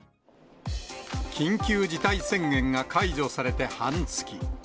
緊急事態宣言が解除されて半月。